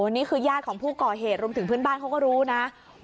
นี่คือญาติของผู้ก่อเหตุรวมถึงเพื่อนบ้านเขาก็รู้นะ